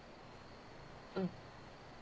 うん。